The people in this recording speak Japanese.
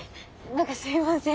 何かすいません。